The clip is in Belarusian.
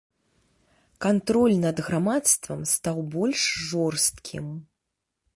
Кантроль над грамадствам стаў больш жорсткім.